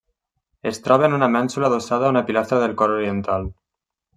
Es troba en una mènsula adossada a una pilastra del cor oriental.